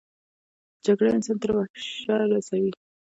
جګړه انسان تر وحشه رسوي